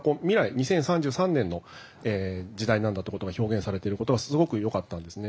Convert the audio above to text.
２０３３年の時代なんだってことが表現されていることがすごくよかったんですね。